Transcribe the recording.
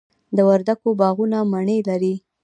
د وردګو باغونه مڼې لري.